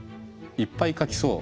いっぱい描きそう。